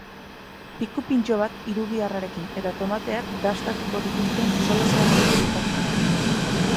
Piku pintxo bat hirugiharrarekin eta tomateak dastatuko dituzte solasean aritu bitartean.